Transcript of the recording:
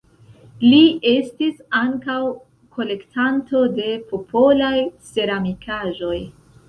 Li estis ankaŭ kolektanto de popolaj ceramikaĵoj.